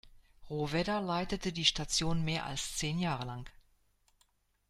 Rohwedder leitete die Station mehr als zehn Jahre lang.